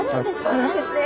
そうなんですね。